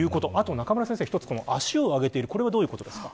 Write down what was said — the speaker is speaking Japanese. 中村先生、一つ、足を上げているこれはどういうことですか。